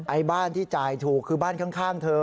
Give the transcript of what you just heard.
บ้านที่จ่ายถูกคือบ้านข้างเธอ